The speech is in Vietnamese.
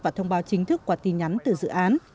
và thông báo chính thức qua tin nhắn từ dự án